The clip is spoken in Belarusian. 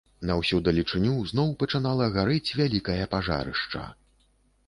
На ўсю далечыню зноў пачынала гарэць вялікае пажарышча.